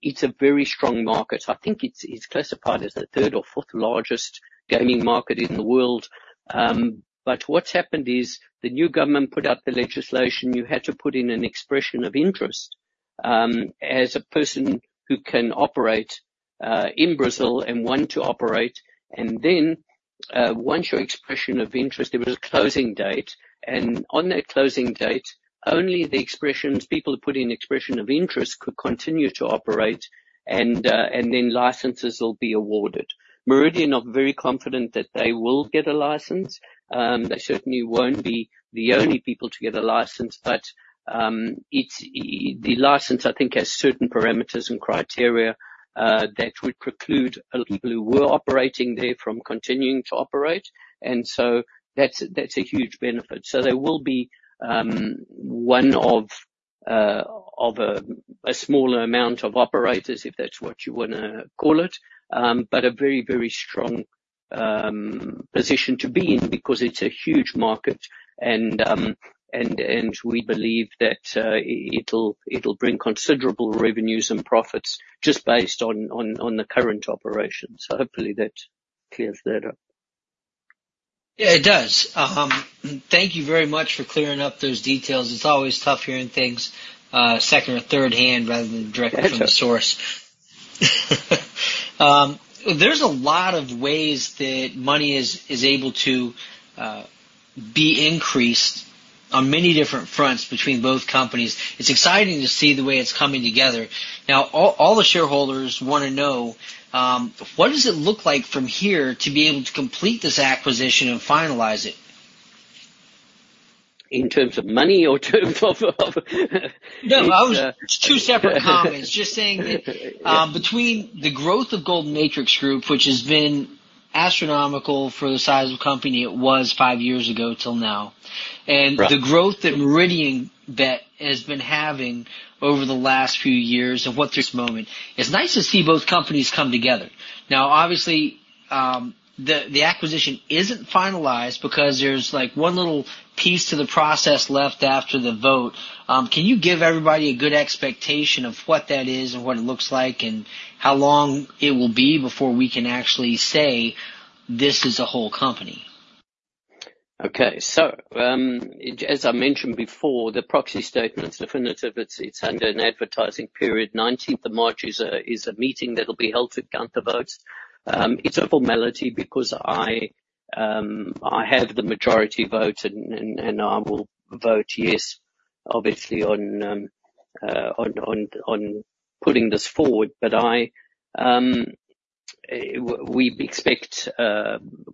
It's a very strong market. I think it's classified as the third or fourth largest gaming market in the world. But what's happened is the new government put out the legislation. You had to put in an expression of interest as a person who can operate in Brazil and want to operate. And then once your expression of interest, there was a closing date. And on that closing date, only the expressions people put in expression of interest could continue to operate. And then licenses will be awarded. Meridian are very confident that they will get a license. They certainly won't be the only people to get a license. But the license, I think, has certain parameters and criteria that would preclude people who were operating there from continuing to operate. And so that's a huge benefit. There will be one of a smaller amount of operators, if that's what you want to call it, but a very, very strong position to be in because it's a huge market. We believe that it'll bring considerable revenues and profits just based on the current operations. Hopefully, that clears that up. Yeah, it does. Thank you very much for clearing up those details. It's always tough hearing things second or thirdhand rather than directly from the source. There's a lot of ways that money is able to be increased on many different fronts between both companies. It's exciting to see the way it's coming together. Now, all the shareholders want to know, what does it look like from here to be able to complete this acquisition and finalize it? In terms of money or terms of? No, it's two separate comments. Just saying that between the growth of Golden Matrix Group, which has been astronomical for the size of the company it was five years ago till now, and the growth that Meridianbet has been having over the last few years. It's nice to see both companies come together. Now, obviously, the acquisition isn't finalized because there's one little piece to the process left after the vote. Can you give everybody a good expectation of what that is and what it looks like and how long it will be before we can actually say, "This is a whole company"? Okay. So as I mentioned before, the proxy statement, it's definitive. It's under an advertising period. Nineteentth of March is a meeting that'll be held to count the votes. It's a formality because I have the majority vote, and I will vote yes, obviously, on putting this forward. But we expect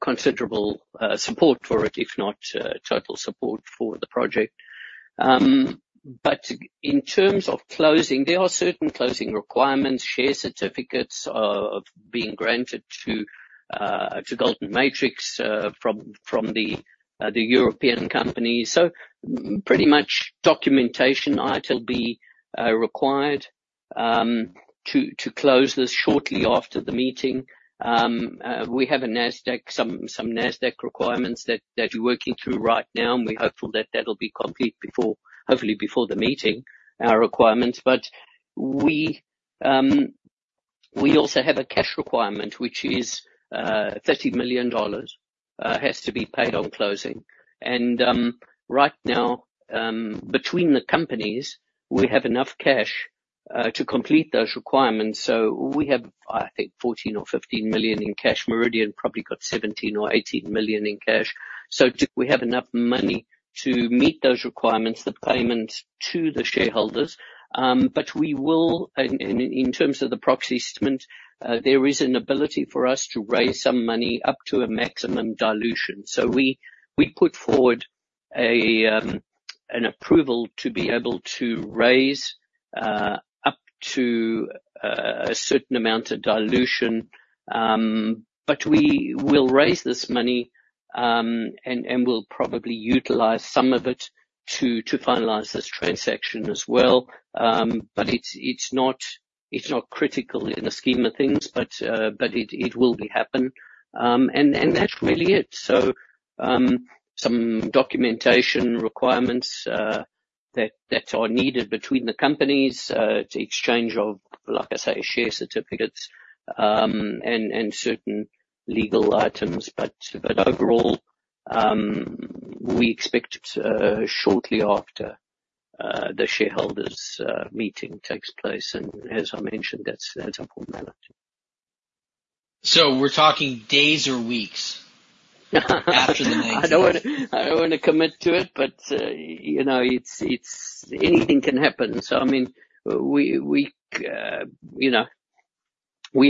considerable support for it, if not total support, for the project. But in terms of closing, there are certain closing requirements. Share certificates are being granted to Golden Matrix from the European companies. So pretty much documentation item will be required to close this shortly after the meeting. We have some Nasdaq requirements that we're working through right now. And we're hopeful that that'll be complete, hopefully, before the meeting, our requirements. But we also have a cash requirement, which is $30 million has to be paid on closing. Right now, between the companies, we have enough cash to complete those requirements. We have, I think, $14 million-$15 million in cash. Meridian probably got $17 million-$18 million in cash. We have enough money to meet those requirements, the payments to the shareholders. In terms of the proxy statement, there is an ability for us to raise some money up to a maximum dilution. We put forward an approval to be able to raise up to a certain amount of dilution. We will raise this money, and we'll probably utilize some of it to finalize this transaction as well. It's not critical in the scheme of things, but it will happen. That's really it. Some documentation requirements that are needed between the companies, exchange of, like I say, share certificates, and certain legal items. But overall, we expect shortly after the shareholders' meeting takes place. As I mentioned, that's a formality. So we're talking days or weeks after the main story? I don't want to commit to it, but anything can happen. So I mean, we're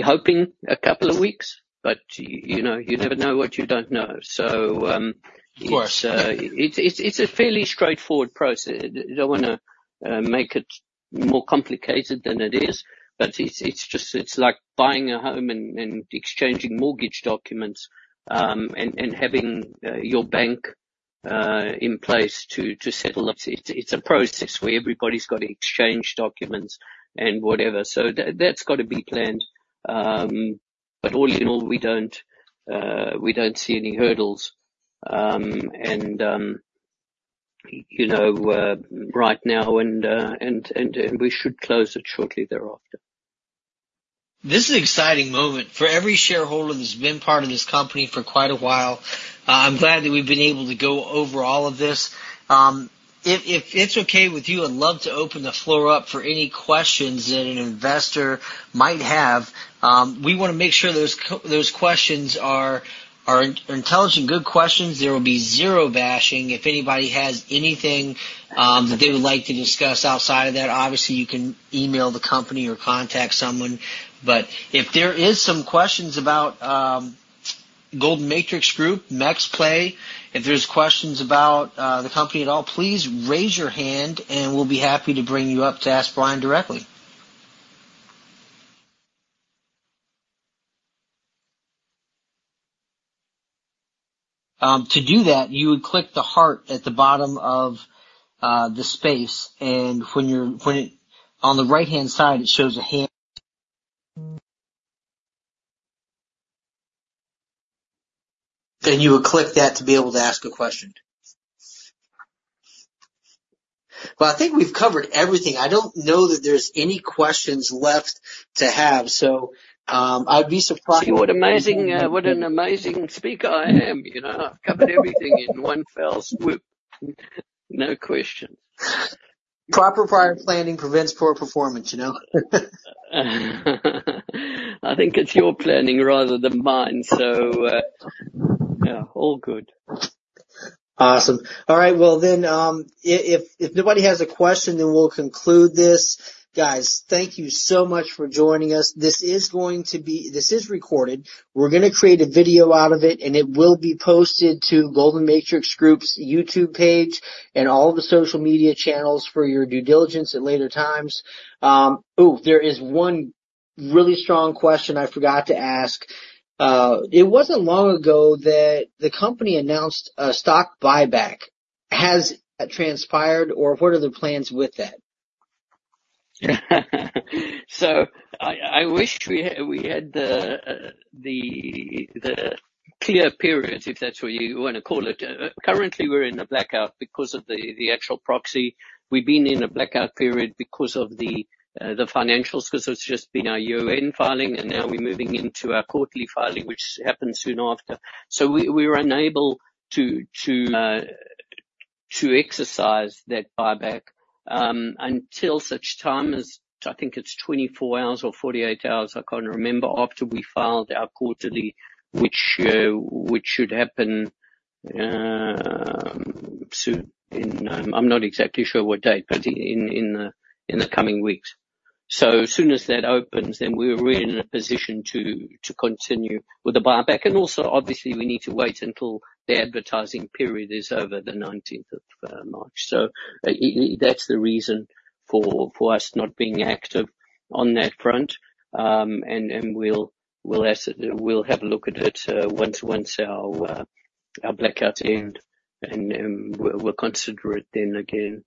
hoping a couple of weeks, but you never know what you don't know. So it's a fairly straightforward process. I don't want to make it more complicated than it is. But it's like buying a home and exchanging mortgage documents and having your bank in place to settle up. It's a process where everybody's got to exchange documents and whatever. So that's got to be planned. But all in all, we don't see any hurdles right now. And we should close it shortly thereafter. This is an exciting moment for every shareholder that's been part of this company for quite a while. I'm glad that we've been able to go over all of this. If it's okay with you, I'd love to open the floor up for any questions that an investor might have. We want to make sure those questions are intelligent, good questions. There will be zero bashing if anybody has anything that they would like to discuss outside of that. Obviously, you can email the company or contact someone. But if there are some questions about Golden Matrix Group, MexPlay, if there are questions about the company at all, please raise your hand, and we'll be happy to bring you up to ask Brian directly. To do that, you would click the heart at the bottom of the space. On the right-hand side, it shows a hand. You would click that to be able to ask a question. Well, I think we've covered everything. I don't know that there are any questions left to have. I'd be surprised. See what an amazing speaker I am. I've covered everything in one fell swoop. No questions. Proper prior planning prevents poor performance. I think it's your planning rather than mine. So yeah, all good. Awesome. All right. Well, then if nobody has a question, then we'll conclude this. Guys, thank you so much for joining us. This is going to be recorded. We're going to create a video out of it, and it will be posted to Golden Matrix Group's YouTube page and all the social media channels for your due diligence at later times. Oh, there is one really strong question I forgot to ask. It wasn't long ago that the company announced a stock buyback. Has that transpired, or what are the plans with that? So I wish we had the quiet period, if that's what you want to call it. Currently, we're in a blackout because of the actual proxy. We've been in a blackout period because of the financials because it's just been our 10-K filing, and now we're moving into our quarterly filing, which happens soon after. So we were unable to exercise that buyback until such time as I think it's 24 hours or 48 hours. I can't remember after we filed our quarterly, which should happen soon. I'm not exactly sure what date, but in the coming weeks. So as soon as that opens, then we're really in a position to continue with the buyback. And also, obviously, we need to wait until the advertising period is over, the 19th of March. So that's the reason for us not being active on that front. We'll have a look at it once our blackout's end, and we'll consider it then again.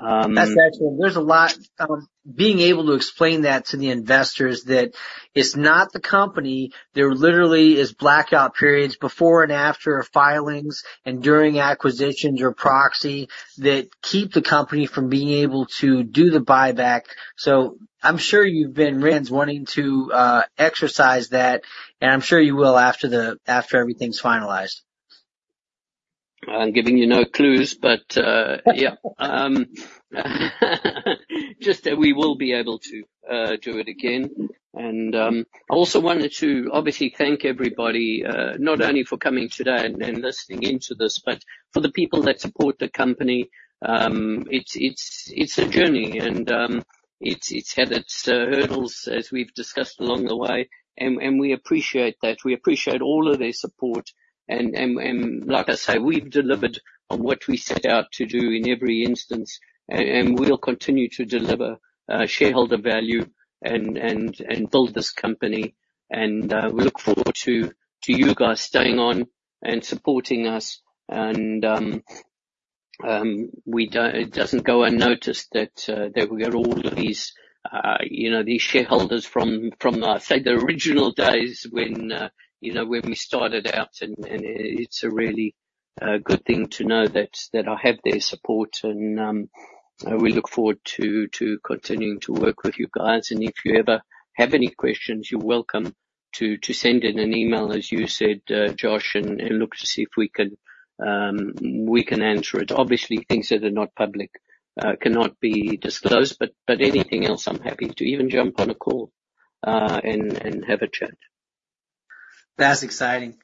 That's excellent. Being able to explain that to the investors, that it's not the company. There literally are blackout periods before and after filings and during acquisitions or proxy that keep the company from being able to do the buyback. So I'm sure you've been wanting to exercise that, and I'm sure you will after everything's finalized. I'm giving you no clues, but yeah. Just that we will be able to do it again. I also wanted to obviously thank everybody, not only for coming today and listening into this, but for the people that support the company. It's a journey, and it's had its hurdles, as we've discussed along the way. We appreciate that. We appreciate all of their support. Like I say, we've delivered on what we set out to do in every instance, and we'll continue to deliver shareholder value and build this company. We look forward to you guys staying on and supporting us. It doesn't go unnoticed that we got all of these shareholders from, I'd say, the original days when we started out. It's a really good thing to know that I have their support. We look forward to continuing to work with you guys. If you ever have any questions, you're welcome to send in an email, as you said, Josh, and look to see if we can answer it. Obviously, things that are not public cannot be disclosed. Anything else, I'm happy to even jump on a call and have a chat. That's exciting.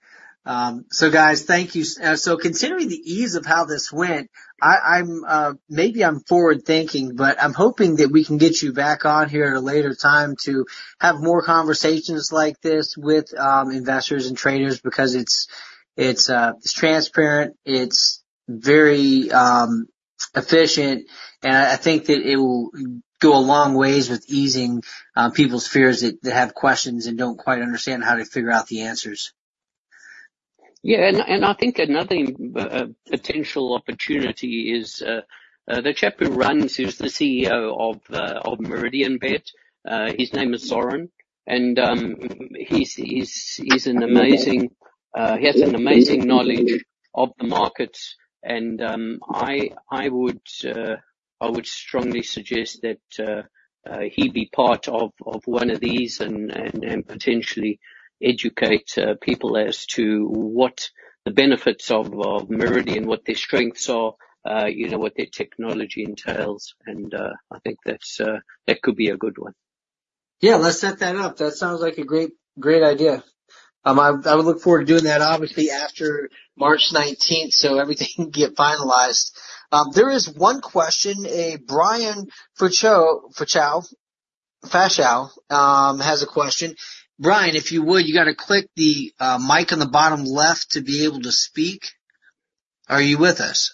So guys, thank you. So considering the ease of how this went, maybe I'm forward-thinking, but I'm hoping that we can get you back on here at a later time to have more conversations like this with investors and traders because it's transparent. It's very efficient. And I think that it will go a long ways with easing people's fears that have questions and don't quite understand how to figure out the answers. Yeah. I think another potential opportunity is the chap who runs is the CEO of Meridianbet. His name is Zoran. He has an amazing knowledge of the markets. I would strongly suggest that he be part of one of these and potentially educate people as to what the benefits of Meridianbet, what their strengths are, what their technology entails. I think that could be a good one. Yeah. Let's set that up. That sounds like a great idea. I would look forward to doing that, obviously, after March 19th, so everything can get finalized. There is one question. Brian Fachow has a question. Brian, if you would, you got to click the mic on the bottom left to be able to speak. Are you with us?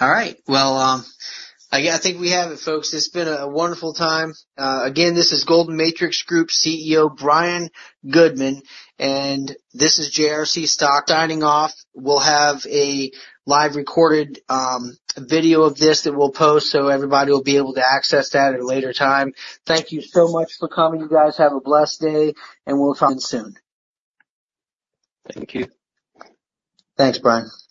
All right. Well, I think we have it, folks. It's been a wonderful time. Again, this is Golden Matrix Group CEO Brian Goodman. And this is JRC Stock. Signing off, we'll have a live recorded video of this that we'll post so everybody will be able to access that at a later time. Thank you so much for coming. You guys have a blessed day. And we'll soon. Thank you. Thanks, Brian.